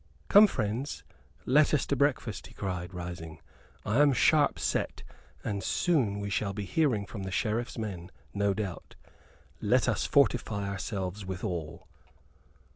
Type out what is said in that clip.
"Come, friends, let us to breakfast," he cried, rising. "I am sharp set, and soon we shall be hearing from the Sheriff's men, no doubt. Let us fortify ourselves withal."